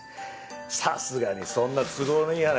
さすがにそんな都合のいい話